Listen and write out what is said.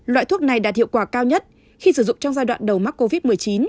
loại thuốc này đạt hiệu quả cao nhất khi sử dụng trong giai đoạn đầu mắc covid một mươi chín